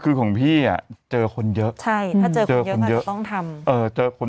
คือของพี่อ่ะเจอคนเยอะใช่ถ้าเจอคนเยอะก็ต้องทำเออเจอคน